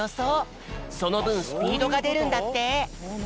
そのぶんスピードがでるんだって。